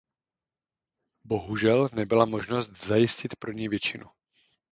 Bohužel nebyla možnost zajistit pro ně většinu.